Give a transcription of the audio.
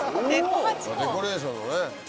デコレーションのね。